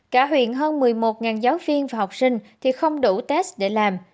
cả huyện hơn một mươi một giáo viên và học sinh thì không đủ test để làm